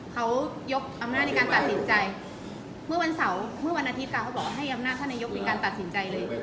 เขายกอำนาจในการตัดสินใจเมื่อวันเสาร์เมื่อวันอาทิตย์ค่ะเขาบอกว่าให้อำนาจท่านนายกเป็นการตัดสินใจเลย